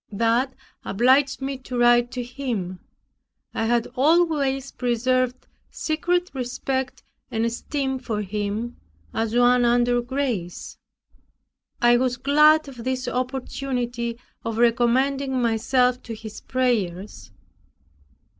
That obliged me to write to him. I had always preserved secret respect and esteem for him, as one under grace. I was glad of this opportunity of recommending myself to his prayers.